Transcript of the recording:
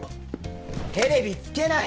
テレビつけない！